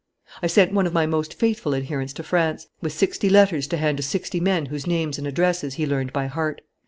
"I sent one of my most faithful adherents to France, with sixty letters to hand to sixty men whose names and addresses he learned by heart.